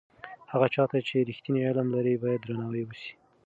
هغه چا ته چې رښتینی علم لري باید درناوی وسي.